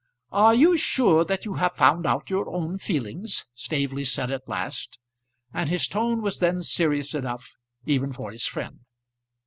"Are you sure that you have found out your own feelings?" Staveley said at last; and his tone was then serious enough even for his friend.